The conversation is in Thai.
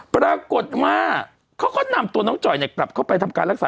ปรากฏว่าเขาก็นำตัวน้องจ่อยกลับเข้าไปทำการรักษา